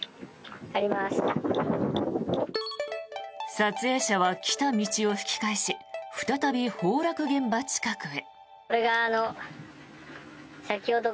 撮影者は来た道を引き返し再び崩落現場近くへ。